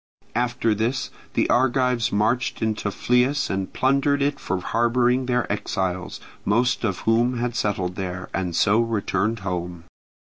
After this the Argives marched into Phlius and plundered it for harbouring their exiles, most of whom had settled there, and so returned home.